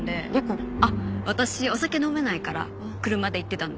あっ私お酒飲めないから車で行ってたんで。